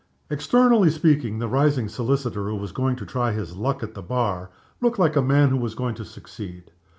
Externally speaking, the rising solicitor, who was going to try his luck at the Bar, looked like a man who was going to succeed.